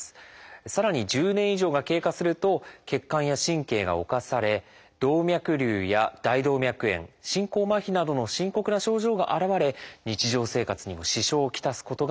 さらに１０年以上が経過すると血管や神経が侵され「動脈りゅう」や「大動脈炎」「進行まひ」などの深刻な症状が現れ日常生活にも支障を来すことがあります。